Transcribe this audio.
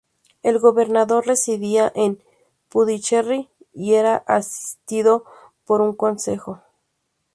El gobernador residía en Puducherry, y era asistido por un consejo.